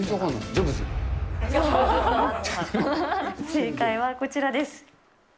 ジョブ正解はこちらです。